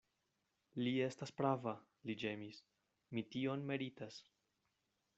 Li estas prava, li ĝemis; mi tion meritas.